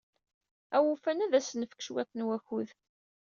Awufan ad as-nefk cwiṭ n wakud.